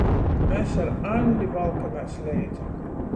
Mes ar Aņdi valkamēs leidza.